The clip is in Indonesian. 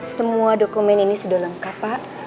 semua dokumen ini sudah lengkap pak